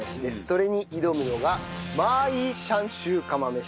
それに挑むのがマーイーシャンシュー釜飯。